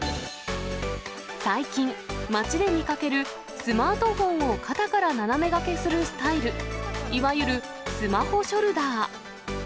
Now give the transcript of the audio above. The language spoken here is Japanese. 最近、街で見かけるスマートフォンを肩から斜めがけするスタイル、いわゆるスマホショルダー。